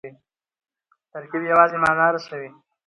ترکیب یوازي مانا رسوي.